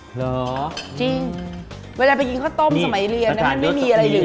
เหรอจริงเวลาไปกินข้าวต้มสมัยเรียนมันไม่มีอะไรอยู่